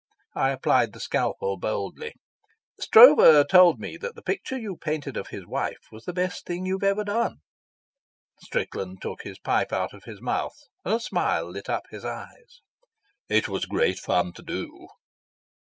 I applied the scalpel boldly. "Stroeve told me that picture you painted of his wife was the best thing you've ever done." Strickland took his pipe out of his mouth, and a smile lit up his eyes. "It was great fun to do."